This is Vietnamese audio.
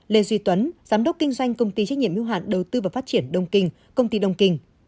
lê duy tuấn giám đốc kinh doanh công ty trách nhiệm hữu hạn đầu tư và phát triển đông kinh công ty đông kinh